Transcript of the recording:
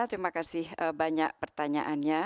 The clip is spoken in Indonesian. terima kasih banyak pertanyaannya